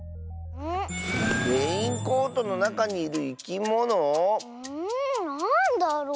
レインコートのなかにいるいきもの？んなんだろう？